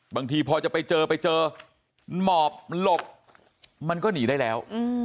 บางทีพอจะไปเจอไปเจอหมอบหลบมันก็หนีได้แล้ว